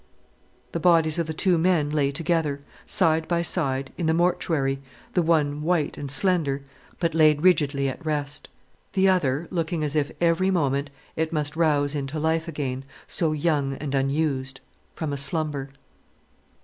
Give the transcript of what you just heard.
The bodies of the two men lay together, side by side, in the mortuary, the one white and slender, but laid rigidly at rest, the other looking as if every moment it must rouse into life again, so young and unused, from a slumber.